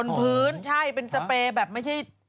พื้นใช่เป็นสเปรย์แบบไม่ใช่